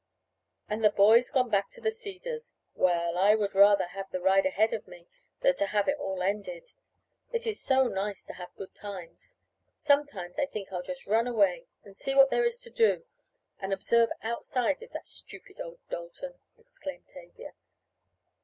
"And the boys gone back to the Cedars! Well, I would rather have the ride ahead of me, than to have it all ended. It is so nice to have good times. Sometimes I think I'll just run away, and see what there is to do and observe outside of that stupid old Dalton," exclaimed Tavia.